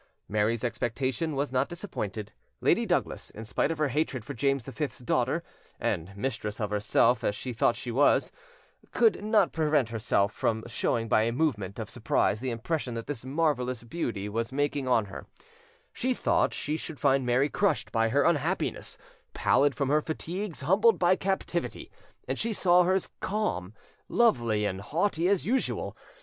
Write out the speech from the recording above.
Mary's expectation was not disappointed: Lady Douglas, in spite of her hatred for James Vs daughter, and mistress of herself as she thought she as, could not prevent herself from showing by a movement of surprise the impression that this marvelous beauty was making on her: she thought she should find Mary crushed by her unhappiness, pallid from her fatigues, humbled by captivity, and she saw hers calm, lovely, and haughty as usual.